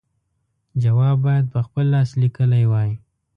جواب باید په خپل لاس لیکلی وای.